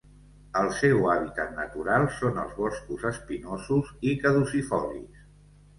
El seu hàbitat natural són els boscos espinosos i caducifolis.